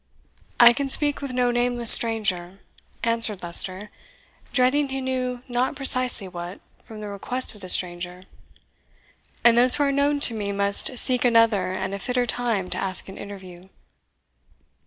"I can speak with no nameless stranger," answered Leicester, dreading he knew not precisely what from the request of the stranger; "and those who are known to me must seek another and a fitter time to ask an interview."